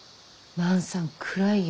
万さん暗いよ。